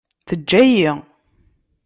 Teǧǧa-yi.